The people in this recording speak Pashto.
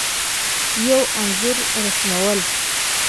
یو انځور رسمول